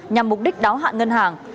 nhằm mục đích đáo hạn ngân hàng